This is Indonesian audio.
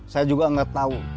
saya juga gak tau